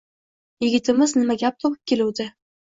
yigitimiz nima gap topib keluvdi?